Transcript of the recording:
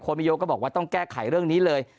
มิโยก็บอกว่าต้องแก้ไขเรื่องนี้เลย